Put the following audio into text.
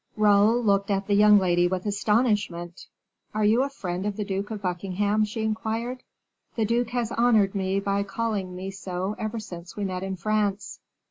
Raoul looked at the young lady with astonishment. "Are you a friend of the Duke of Buckingham?" she inquired. "The duke has honored me by calling me so ever since we met in France."